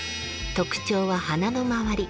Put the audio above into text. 特徴は花の周り。